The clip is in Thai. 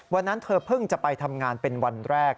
วันนั้นเธอเพิ่งจะไปทำงานเป็นวันแรก